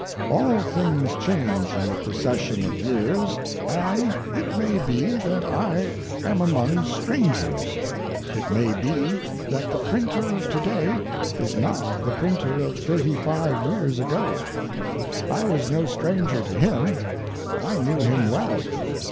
All things change in the procession of years, and it may be that I am among strangers. It may be that the printer of to day is not the printer of thirty five years ago. I was no stranger to him. I knew him well.